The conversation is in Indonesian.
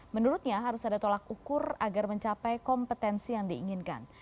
menurutnya harus ada tolak ukur agar mencapai kompetensi yang diinginkan